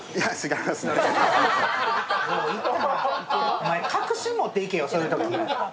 お前、確信もっていけよ、そういうときは。